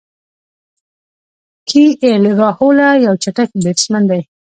کی ایل راهوله یو چټک بیټسمېن دئ.